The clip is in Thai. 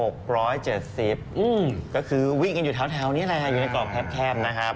คือใกล้๑๖๗๐ก็คือวิ่งอยู่แถวนี่แหละอยู่ในกรอบแคบนะครับ